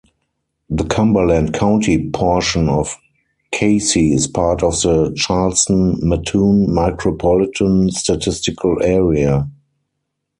The Cumberland County portion of Casey is part of the Charleston-Mattoon Micropolitan Statistical Area.